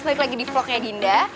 balik lagi di vlognya dinda